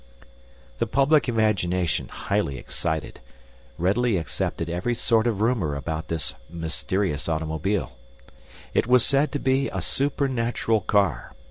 The public imagination, highly excited, readily accepted every sort of rumor about this mysterious automobile. It was said to be a supernatural car.